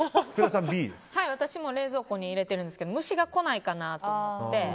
私も冷蔵庫に入れていますが虫が来ないかなと思って。